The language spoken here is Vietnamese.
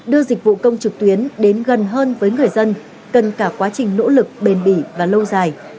đưa dịch vụ công trực tuyến đến gần hơn với người dân cần cả quá trình nỗ lực bền bỉ và lâu dài